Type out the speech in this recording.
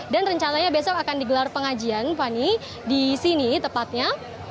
dan rencananya besok akan digelar pengajian pani di sini tepatnya